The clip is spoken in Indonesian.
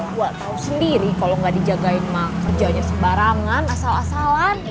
gua tau sendiri kalo gak dijagain mah kerjanya sebarangan asal asalan